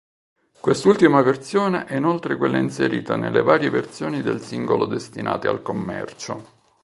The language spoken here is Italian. Quest'ultima versione è inoltre quella inserita nelle varie versioni del singolo destinate al commercio.